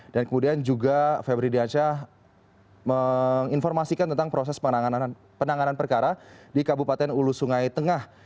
dan kemudian juga fabri diansyah menginformasikan tentang proses penanganan perkara di kabupaten ulusungai tengah